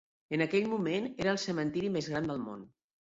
En aquell moment era el cementiri més gran del món.